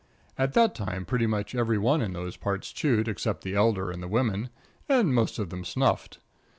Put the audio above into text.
At that time pretty much every one in those parts chewed, except the Elder and the women, and most of them snuffed.